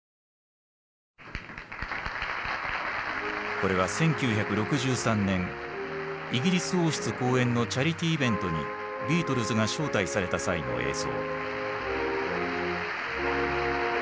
これは１９６３年イギリス王室後援のチャリティーイベントにビートルズが招待された際の映像。